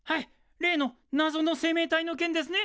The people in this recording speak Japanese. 例のなぞの生命体の件ですね？